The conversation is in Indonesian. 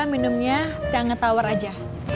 minumnya teh anget tawar aja